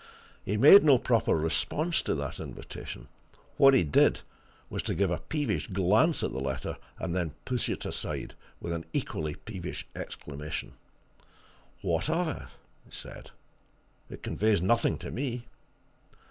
He made no proper response to that invitation; what he did was to give a peevish glance at the letter, and then push it aside, with an equally peevish exclamation. "What of it?" he said. "It conveys nothing to me!"